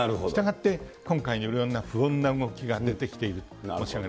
したがって今回のいろんな不穏な動きが出てきている。